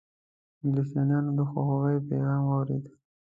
انګلیسیانو د خواخوږی پیغام واورېد.